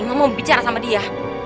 mama mau bicara sama dia